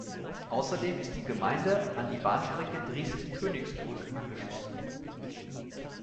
Außerdem ist die Gemeinde an die Bahnstrecke Dresden–Königsbrück angeschlossen.